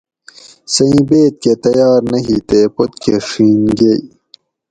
سہۤ اِیں بیت کہۤ تیار نہ ہی تے پت کہۤ چھین گئ